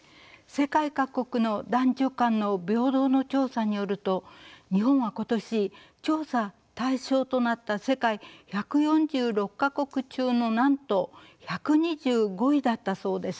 世界各国の男女間の平等の調査によると日本は今年調査対象となった世界１４６か国中のなんと１２５位だったそうです。